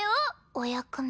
お役目。